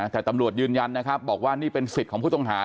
แต่ตำรวจยืนยันนะครับบอกว่านี่เป็นสิทธิ์ของผู้ต้องหา